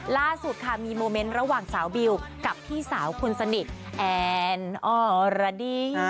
ล่าสุดค่ะมีโมเมนต์ระหว่างสาวบิวกับพี่สาวคนสนิทแอนออราดิ้ง